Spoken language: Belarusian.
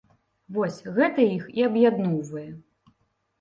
Вось, гэта іх і аб'ядноўвае.